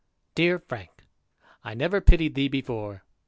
Dear Frank, " I never pitied thee before.